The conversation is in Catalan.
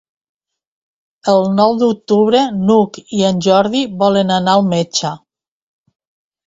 El nou d'octubre n'Hug i en Jordi volen anar al metge.